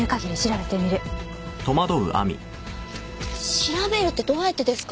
調べるってどうやってですか？